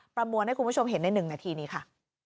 ประมวลให้คุณผู้ชมเห็นใน๑นาทีนี้ค่ะ